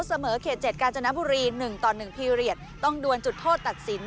เสมอเขต๗กาญจนบุรี๑ต่อ๑พีเรียสต้องดวนจุดโทษตัดสิน